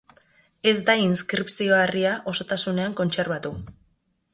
Ez da inskripzio-harria osotasunean kontserbatu.